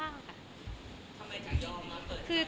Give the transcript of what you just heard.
สวัสดีครับ